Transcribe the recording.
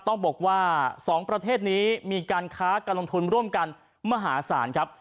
ต้องบอกว่า๒ประเทศนี้มีการค้าการลงทุนร่วมกันมหาศาลครับ